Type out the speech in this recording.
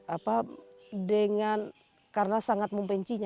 apa dengan karena sangat membencinya